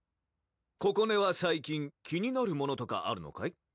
ここねは最近気になるものとかあるのかい？